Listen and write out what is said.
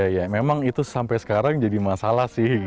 ya memang itu sampai sekarang jadi masalah sih